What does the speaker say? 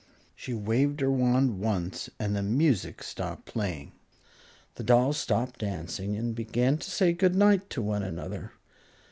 She waved her wand once and the music stopped playing. The dolls stopped dancing and began to say good night to one another.